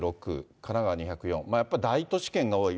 神奈川２０４、やっぱり大都市圏が多い。